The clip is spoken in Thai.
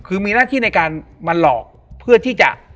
คือมีหน้าที่ในการมาหลอกเพื่อที่จะ